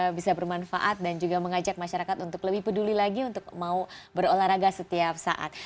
bisa bermanfaat dan juga mengajak masyarakat untuk lebih peduli lagi untuk mau berolahraga setiap saat